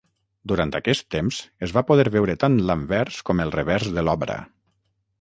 Durant aquest temps es va poder veure tant l'anvers com el revers de l'obra.